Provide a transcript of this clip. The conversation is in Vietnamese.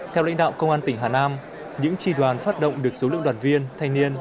theo lãnh đạo công an tỉnh hà nam những tri đoàn phát động được số lượng đoàn viên thanh niên